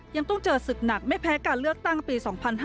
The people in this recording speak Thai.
ยังต้องเจอศึกหนักไม่แพ้การเลือกตั้งปี๒๕๕๙